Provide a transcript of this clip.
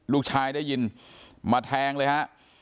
ลูกชายได้ยินมาแทงเลยฮะ